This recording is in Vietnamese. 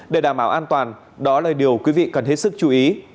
để đảm bảo an toàn đó là điều quý vị cần hết sức chú ý